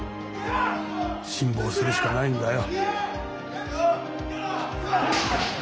辛抱するしかないんだよ。